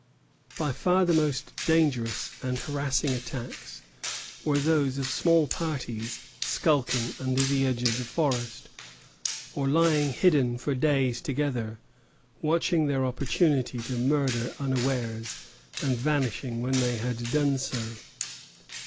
By far the most dangerous and harassing attacks were those of small parties skulking under the edge of the forest, or lying hidden for days together, watching their opportunity to murder unawares, and vanishing when they had done so.